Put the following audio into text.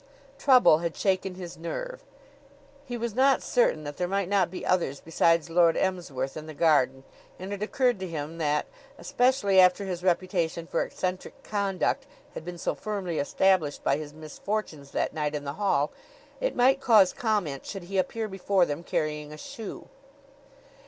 Trouble had shaken his nerve. He was not certain that there might not be others besides Lord Emsworth in the garden; and it occurred to him that, especially after his reputation for eccentric conduct had been so firmly established by his misfortunes that night in the hall, it might cause comment should he appear before them carrying a shoe.